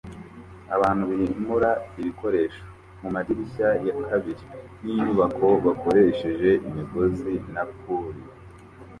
Abantu bimura ibikoresho mumadirishya ya kabiri yinyubako bakoresheje imigozi na pulleys